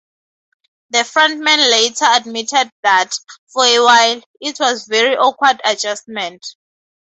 The frontman later admitted that, for a while, it was a very awkward adjustment.